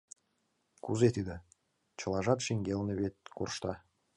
— Кузе тиде... чылажат шеҥгелне, вет... коршта!